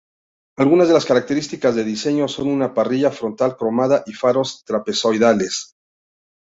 Algunas de las características de diseño son una parrilla frontal cromada y faros trapezoidales.